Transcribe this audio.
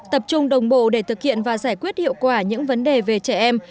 tập trung đồng bộ để thực hiện và giải quyết hiệu quả những vấn đề về trẻ em